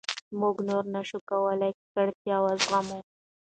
موږ نور نه شو کولای ککړتیا وزغمو.